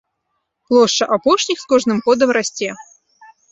Плошча апошніх з кожным годам расце.